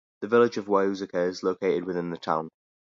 The village of Wauzeka is located within the town.